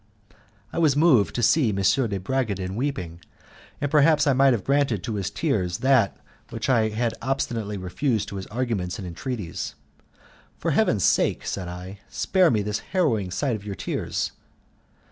I was moved to see M. de Bragadin weeping, and perhaps I might have granted to his tears that which I had obstinately refused to his arguments and entreaties. "For Heaven's sake!" said I, "spare me the harrowing sight of your tears."